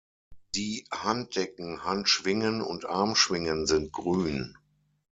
Die Handdecken, Handschwingen und Armschwingen sind grün.